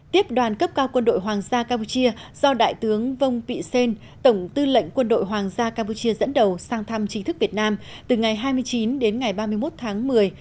tiếp đoàn cấp cao quân đội hoàng gia campuchia do đại tướng vông pị xên tổng tư lệnh quân đội hoàng gia campuchia dẫn đầu sang thăm chính thức việt nam từ ngày hai mươi chín đến ngày ba mươi một tháng một mươi